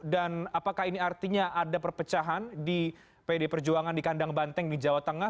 dan apakah ini artinya ada perpecahan di pdip perjuangan di kandang banteng di jawa tengah